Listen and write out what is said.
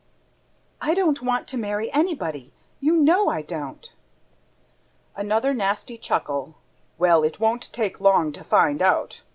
"I don't want to marry anybody, you know I don't." Another nasty chuckle. "Well, it won't take long to find out.